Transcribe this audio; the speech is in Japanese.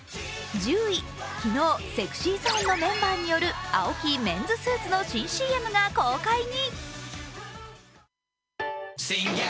昨日、ＳｅｘｙＺｏｎｅのメンバーによるＡＯＫＩメンズスーツの新ＣＭが公開に。